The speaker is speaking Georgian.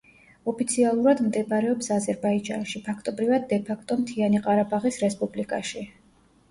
ოფიციალურად მდებარეობს აზერბაიჯანში, ფაქტობრივად დე-ფაქტო მთიანი ყარაბაღის რესპუბლიკაში.